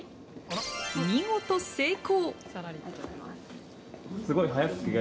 見事成功！